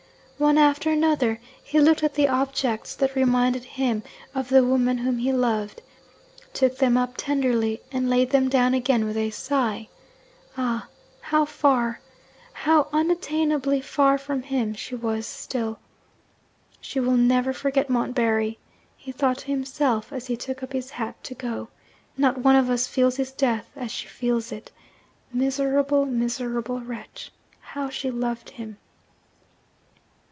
One after another, he looked at the objects that reminded him of the woman whom he loved took them up tenderly and laid them down again with a sigh. Ah, how far, how unattainably far from him, she was still! 'She will never forget Montbarry,' he thought to himself as he took up his hat to go. 'Not one of us feels his death as she feels it. Miserable, miserable wretch how she loved him!'